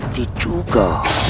dan mati juga